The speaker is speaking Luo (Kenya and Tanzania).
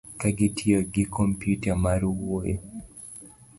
ka gitiyo gi kompyuta mar wuoyo